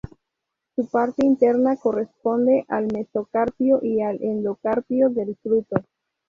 Su parte interna corresponde al mesocarpio y al endocarpio del fruto.